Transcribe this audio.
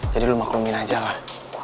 jadi lu maklumin aja lah